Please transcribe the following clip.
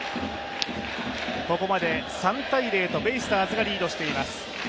ここまで３−０とベイスターズがリードしています。